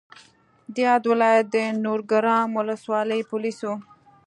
د یاد ولایت د نورګرام ولسوالۍ پولیسو